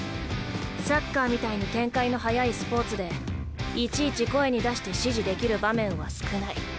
サッカーみたいに展開の早いスポーツでいちいち声に出して指示できる場面は少ない。